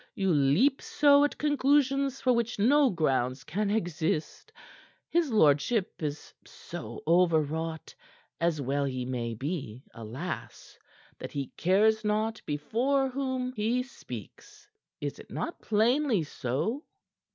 You leap so at conclusions for which no grounds can exist. His lordship is so overwrought as well he may be, alas! that he cares not before whom he speaks. Is it not plainly so?"